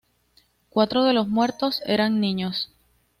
Cuatro de los muertos eran niños.